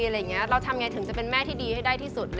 เราทำอย่างไรถึงจะเป็นแม่ที่ดีให้ได้ที่สุด